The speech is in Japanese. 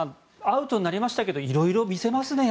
アウトになりましたけれど色々見せますね。